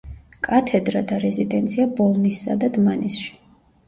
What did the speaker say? კათედრა და რეზიდენცია ბოლნისსა და დმანისში.